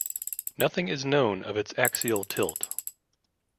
Nothing is known of its axial tilt.